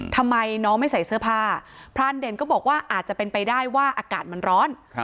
ทำไมน้องไม่ใส่เสื้อผ้าพรานเด่นก็บอกว่าอาจจะเป็นไปได้ว่าอากาศมันร้อน